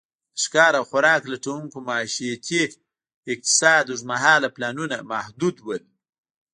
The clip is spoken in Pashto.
د ښکار او خوراک لټونکو معیشتي اقتصاد اوږد مهاله پلانونه محدود ول.